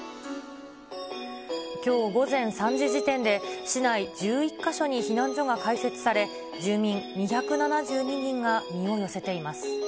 きょう午前３時時点で、市内１１か所に避難所が開設され、住民２７２人が身を寄せています。